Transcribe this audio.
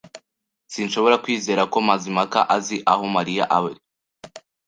Sinshobora kwizera ko Mazimpaka azi aho Mariya aba.